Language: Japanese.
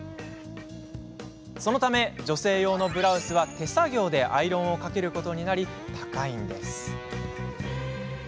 そのため、女性用のブラウスは手作業でアイロンをかけることになり高いんです。